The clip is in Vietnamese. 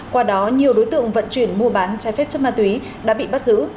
qua đó nhiều đối tượng vận chuyển mua bán trái phép chất ma túy đã bị bắt giữ